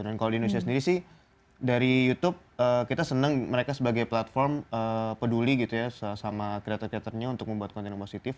dan kalau di indonesia sendiri sih dari youtube kita seneng mereka sebagai platform peduli gitu ya sama creator creatornya untuk membuat konten yang positif